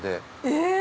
え！